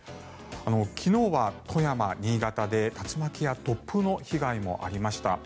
昨日は富山、新潟で竜巻や突風の被害もありました。